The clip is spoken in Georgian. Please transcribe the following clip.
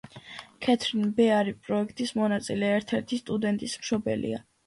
ქეთრინ ბეარი პროექტის მონაწილე ერთ-ერთი სტუდენტის მშობელია.